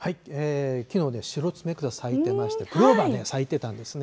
きのう、シロツメクサ咲いてまして、クローバー、咲いてたんですね。